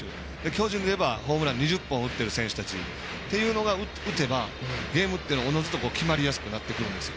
巨人でいえばホームラン２０本打っている選手たちっていうのが打てばゲームっておのずと決まりやすくなってくるんです。